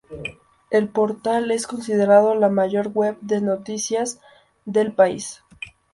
El portal es considerado la mayor web de noticias del país.